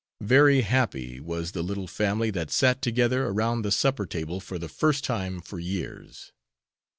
Very happy was the little family that sat together around the supper table for the first time for years.